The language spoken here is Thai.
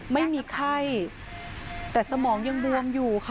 ไม่มีไข้แต่สมองยังบวมอยู่ค่ะ